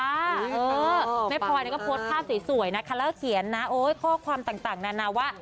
เออแม่พลอยนี่ก็โพสต์ภาพสีสวยนะคัลเลอร์เขียนนะโอ้ยข้อความต่างนานาวะ